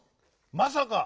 まさか！